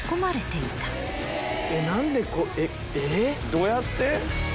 どうやって？